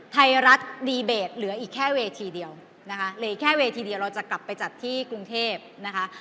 ไทยรัฐดีเบตเหลืออีกแค่เวทีเดียวนะคะเหลือแค่เวทีเดียวเราจะกลับไปจัดที่กรุงเทพนะคะ